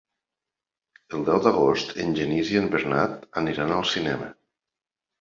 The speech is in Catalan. El deu d'agost en Genís i en Bernat aniran al cinema.